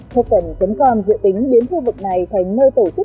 thúc tẩn com dự tính biến khu vực này thành nền tảng thực tế ảo